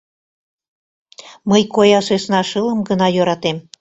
Мый коя сӧсна шылым гына йӧратем.